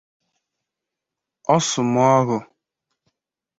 Ọrsumoghu